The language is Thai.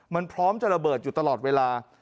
มันพร้อมจะระเบิดอยู่ตลอดเวลา